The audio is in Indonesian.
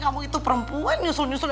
kamu itu perempuan nyusul nyusul